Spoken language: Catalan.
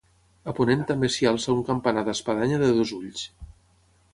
A ponent també s'hi alça un campanar d'espadanya de dos ulls.